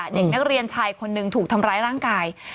เด็กนักเรียนชายคนหนึ่งถูกทำร้ายร่างกาย